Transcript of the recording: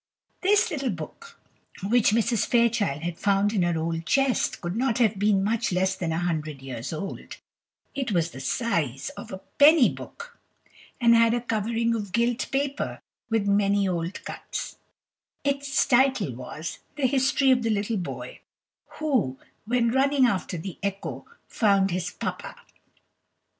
This little book, which Mrs. Fairchild had found in her old chest, could not have been much less than a hundred years old; it was the size of a penny book, and had a covering of gilt paper, with many old cuts; its title was, "The History of the Little Boy who, when running after the Echo, found his Papa."